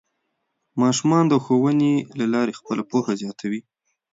ماشومان د ښوونې له لارې خپله پوهه زیاتوي